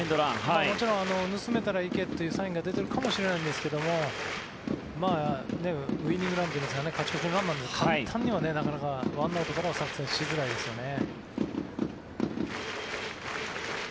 もちろん盗めたら行けというサインが出てるかもしれませんがウィニングランといいますか勝ち越しのランなんで簡単には１アウトからは作戦しづらいですよね。